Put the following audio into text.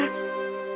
aku merasa tidak enak